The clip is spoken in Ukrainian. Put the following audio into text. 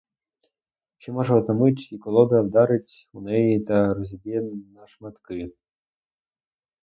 Ще, може, одна мить — і колода вдарить у неї та розіб'є на шматки.